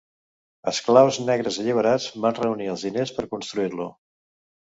Esclaus negres alliberats van reunir els diners per construir-lo.